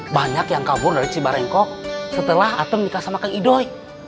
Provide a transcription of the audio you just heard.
banyak yang kabur dari cibarengkok setelah atang nikah sama kang idoi